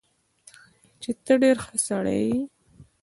چې تۀ ډېر ښۀ سړے ئې